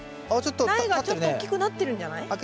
苗がちょっと大きくなってるんじゃない？